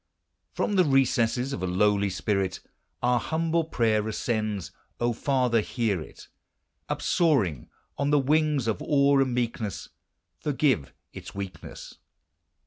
From the recesses of a lowly spirit, Our humble prayer ascends; O Father! hear it. Upsoaring on the wings of awe and meekness, Forgive its weakness!